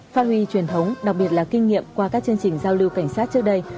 phát huy truyền thống đặc biệt là kinh nghiệm qua các chương trình giao lưu cảnh sát trước đây